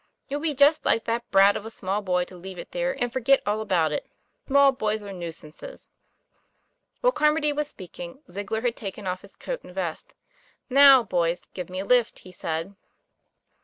It would be just like that brat of a small boy to leave it there, and forget all about it. Small boys are nuisances." While Carmody was speaking, Ziegler had taken off his coat and vest. ' Now, boys, give me a lift," he said. TOM PLAYFAIR.